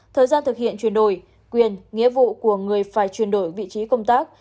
thời gian thực hiện chuyển đổi quyền nghĩa vụ của người phải chuyển đổi vị trí công tác